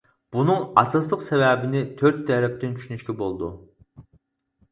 بۇنىڭ ئاساسلىق سەۋەبىنى تۆت تەرەپتىن چۈشىنىشكە بولىدۇ.